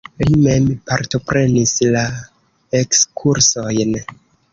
Li mem partoprenis la ekskursojn.